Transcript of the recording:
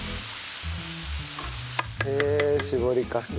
へえ搾りかす。